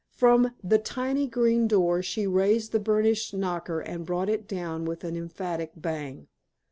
From the tiny green door she raised the burnished knocker and brought it down with an emphatic bang.